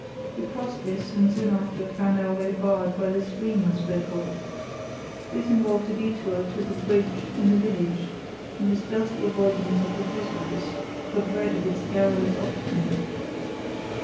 We crossed this and soon after found our way barred by the stream I spoke of. This involved a détour to the bridge in the village, and a stealthy avoidance of the post office, for dread of its garrulous occupant.